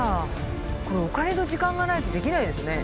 これお金と時間がないとできないですね。